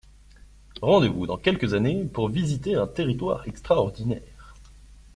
Rendez-vous dans quelques années pour visiter un territoire extraordinaire.